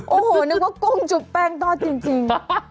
โอ้โหนึกว่ากุ้งจุบแป้งทอดจริง